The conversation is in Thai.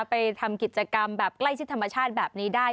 ไปทำกิจกรรมแบบใกล้ชิดธรรมชาติแบบนี้ได้